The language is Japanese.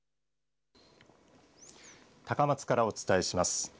高松からお伝えします。